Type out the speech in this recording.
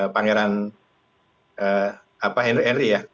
pangeran henry ya